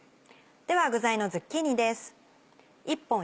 では具材のズッキーニです。